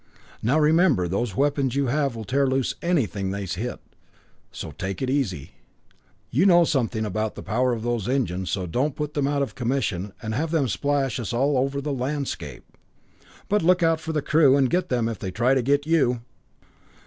Now remember, those weapons you have will tear loose anything they hit, so take it easy. You know something about the power of those engines, so don't put them out of commission, and have them splash us all over the landscape. "But look out for the crew, and get them if they try to get you!"